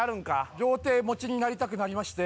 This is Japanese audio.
「両手持ちになりたくなりまして」